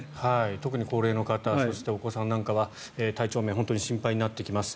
特に高齢の方そしてお子さんなんかは体調面本当に心配になってきます。